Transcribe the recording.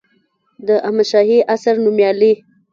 د احمدشاهي عصر نوميالي